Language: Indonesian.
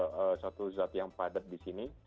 ini kayak suatu apa ya satu zat yang padat di sini